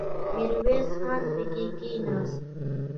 ميرويس خان پکې کېناست.